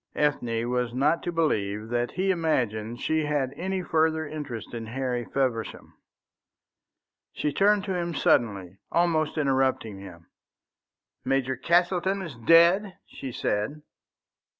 Ethne was not to believe that he imagined she had any further interest in Harry Feversham. She turned to him suddenly, almost interrupting him. "Major Castleton is dead?" she said.